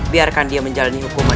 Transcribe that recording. biarkan dia menjalani hukuman